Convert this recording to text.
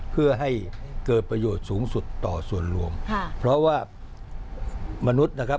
เพื่อให้เกิดประโยชน์สูงสุดต่อส่วนรวมค่ะเพราะว่ามนุษย์นะครับ